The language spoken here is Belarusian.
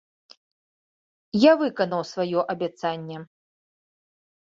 Я выканаў сваё абяцанне.